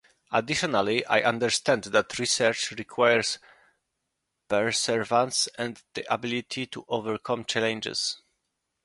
Additionally, I understand that research requires perseverance and the ability to overcome challenges.